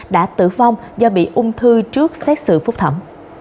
đã tử vong do bị ung thư trước xét xử phúc thẩm